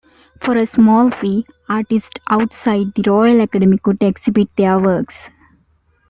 For a small fee, artists outside the Royal Academy could exhibit their works.